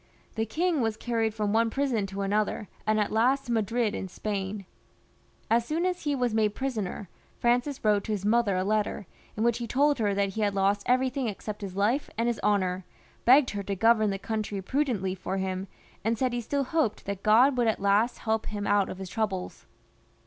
The king was carried from one prison to another, and at last to Madrid in Spain. As soon as he was made prisoner, Francis wrote to his mother a letter, in which he told her that he had lost everything except his life and his honour, begged her to govern the country prudently for him, and said he still hoped that God would at last help him out of his troubles.